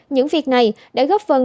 những việc này đã góp phần